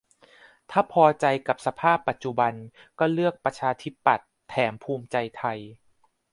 ถ้าพอใจกับสภาพปัจจุบัน ก็เลือกปชป. แถมภูมิใจไทย